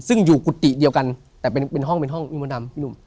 ซึ่งอยู่กุฏติเดียวกันแต่เป็นห้องมิมวดำ